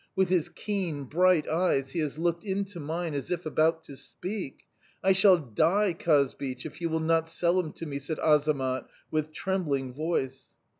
With his keen, bright eyes he has looked into mine as if about to speak!... I shall die, Kazbich, if you will not sell him to me!' said Azamat, with trembling voice.